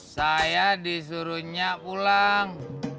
saya disuruhnya pulang